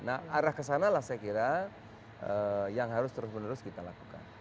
nah arah kesanalah saya kira yang harus terus menerus kita lakukan